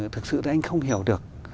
thực sự là anh không hiểu được